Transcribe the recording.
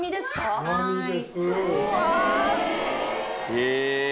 へえ！